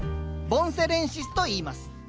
ボンセレンシスといいます。